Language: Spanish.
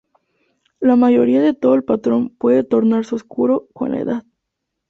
La mayoría de todo el patrón puede tornarse oscuro con la edad.